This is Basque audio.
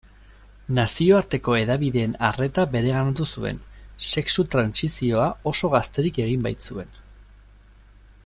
Nazioarteko hedabideen arreta bereganatu zuen, sexu-trantsizioa oso gazterik egin baitzuen.